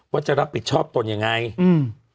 ว่าจะรับผิดชอบตนยังไงอืม